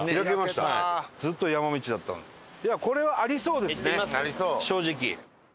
これはありそうですね正直。